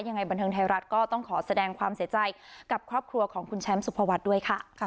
ยังไงบันเทิงไทยรัฐก็ต้องขอแสดงความเสียใจกับครอบครัวของคุณแชมป์สุภวัฒน์ด้วยค่ะ